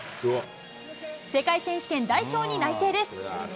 世界選手権代表に内定です。